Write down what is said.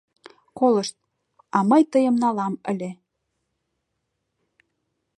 Колышт, а мый тыйым налам ыле.